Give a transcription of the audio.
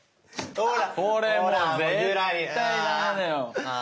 ほら。